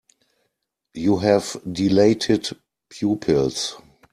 You have dilated pupils.